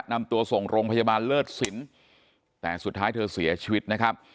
นำตัวส่งโรงพยาบาลเลิศสินแต่สุดท้ายเธอเสียชีวิตนะครับ